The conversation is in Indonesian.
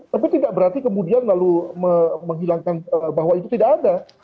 tapi tidak berarti kemudian lalu menghilangkan bahwa itu tidak ada